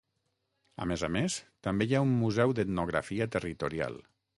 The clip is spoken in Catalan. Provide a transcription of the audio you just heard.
A més a més, també hi ha un museu d'etnografia territorial.